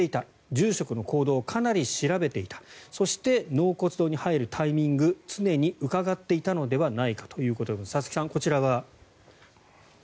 住職の行動をかなり調べていたそして納骨堂に入るタイミングを常にうかがっていたのではないかということですが佐々木さん、こちらは。